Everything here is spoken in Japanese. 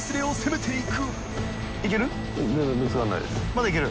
まだいける？